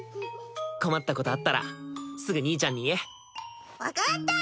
困ったことあったらすぐ兄ちゃんに言え分かった！